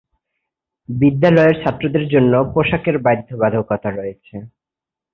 বিদ্যালয়ের ছাত্রদের জন্য পোশাকের বাধ্যবাধকতা রয়েছে।